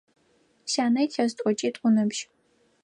Сянэ илъэс тӏокӏитӏу ыныбжь.